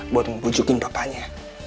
buat membujukin papanya